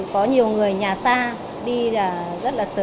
có nhiều người nhà xa đi là rất là sớm